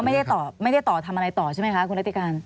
แต่ว่าไม่ได้ต่อทำอะไรต่อใช่ไหมคะคุณรัฐิการ